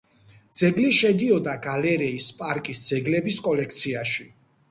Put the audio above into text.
ძეგლი შედიოდა გალერეის პარკის ძეგლების კოლექციაში.